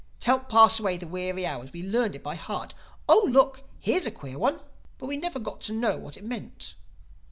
To help pass away the weary hours we learned it by heart, 'Oh, look, here's a queer one!' But we never got to know what it meant.